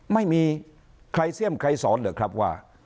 ไม่มีใครเสี่ยมใครสอนเหรอครับว่า